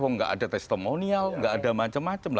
kalau nggak ada testimonial nggak ada macam macam